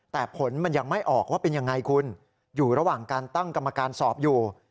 แต่ผลมันยังไม่ออกว่าเป็นยังไงคุณอยู่ระหว่างการตั้งกรรมการสอบอยู่